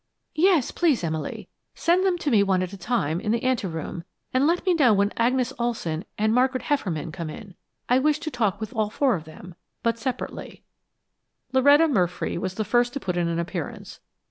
"Yes, please, Emily; send them to me one at a time, in the ante room, and let me know when Agnes Olson and Margaret Hefferman come in. I wish to talk with all four of them, but separately." Loretta Murfree was the first to put in an appearance.